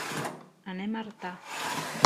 Anem a Artà.